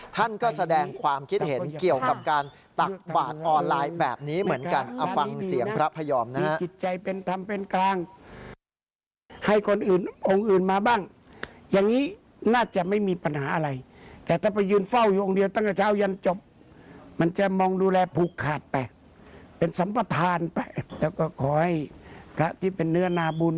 ท่านก็แสดงความคิดเห็นเกี่ยวกับการตักหวาดออนไลน์แบบนี้เหมือนกัน